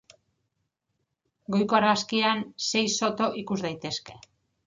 Goiko argazkian sei soto ikus daitezke.